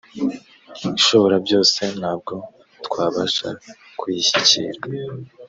ishoborabyose ntabwo twabasha kuyishyikira